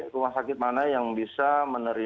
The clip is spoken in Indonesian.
rumah sakit mana yang bisa menerima